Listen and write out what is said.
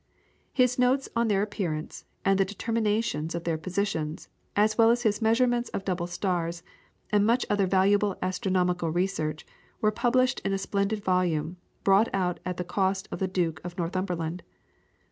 His notes on their appearance, and the determinations of their positions, as well as his measurements of double stars, and much other valuable astronomical research, were published in a splendid volume, brought out at the cost of the Duke of Northumberland.